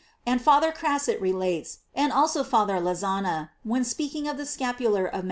And Father Crasset relates,* and also Father Lezzana,f when speaking of the scapular of Mt.